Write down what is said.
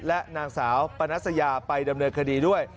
และนางสาวปนัสยาไปดำเนินคดีด้วย